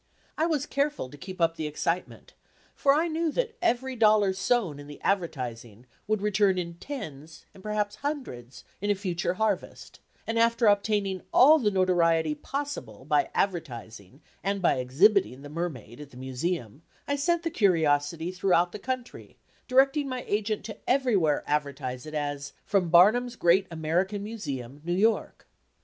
I was careful to keep up the excitement, for I knew that every dollar sown in advertising would return in tens, and perhaps hundreds, in a future harvest, and after obtaining all the notoriety possible by advertising and by exhibiting the mermaid at the Museum, I sent the curiosity throughout the country, directing my agent to everywhere advertise it as "From Barnum's Great American Museum, New York."